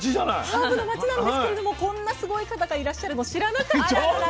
ハーブの町なんですけれどもこんなすごい方がいらっしゃるの知らなかったんですよ。